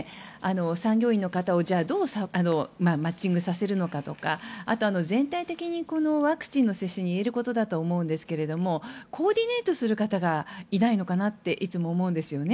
産業医の方をどうマッチングさせるのかとかあとは、全体的にワクチンの接種に言えることだと思うんですがコーディネートする方がいないのかなっていつも思うんですよね。